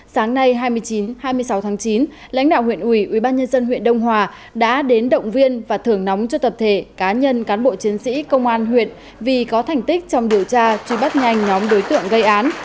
sáng nay hai mươi chín hai mươi sáu tháng chín lãnh đạo huyện ủy ubnd huyện đông hòa đã đến động viên và thưởng nóng cho tập thể cá nhân cán bộ chiến sĩ công an huyện vì có thành tích trong điều tra truy bắt nhanh nhóm đối tượng gây án